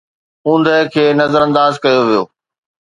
اوندهه کي نظرانداز ڪيو ويو